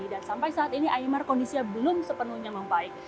dan sampai saat ini imar kondisi belum sepenuhnya membaik